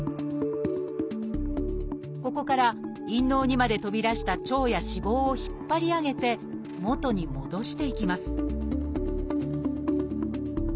ここから陰嚢にまで飛び出した腸や脂肪を引っ張り上げて元に戻していきます